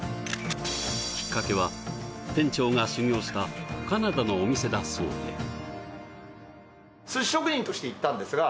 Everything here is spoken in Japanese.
きっかけは店長が修業したカナダのお店だそうでなるほど！